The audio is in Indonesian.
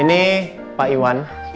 ini pak iwan